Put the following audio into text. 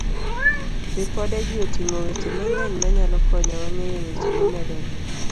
Ripodegi oting'o weche mang'eny manyalo konyowa ng'eyo weche momedore.